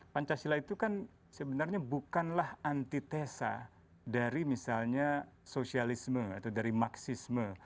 pancasila itu kan sebenarnya bukanlah antitesa dari misalnya sosialisme atau dari maksisme